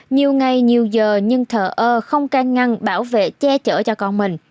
nhiều ngày nhiều giờ nhưng thờ ơ không can ngăn bảo vệ che chở cho con mình